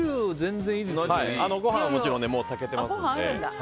ご飯はもう炊けてますので。